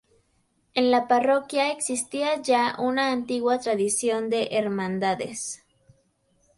En la parroquia existía ya una antigua tradición de hermandades.